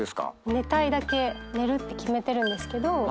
寝たいだけ寝るって決めてるんですけど